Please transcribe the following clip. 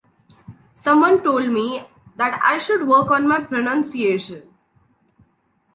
Someone told me that I should work on my pronunciation.